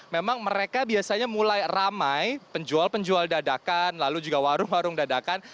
memang mereka biasanya mulai ramai penjual penjual dadakan lalu juga warung warung dadakan